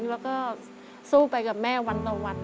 แล้วก็สู้ไปกับแม่วันต่อวัน